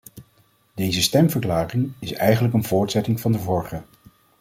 Deze stemverklaring is eigenlijk een voortzetting van de vorige.